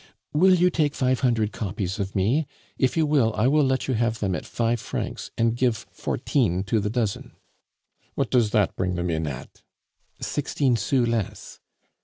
"Will you take five hundred copies of me? If you will, I will let you have them at five francs, and give fourteen to the dozen." "What does that bring them in at?" "Sixteen sous less."